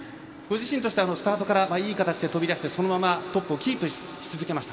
スタートからいい形で飛び出してそのままトップをキープし続けました。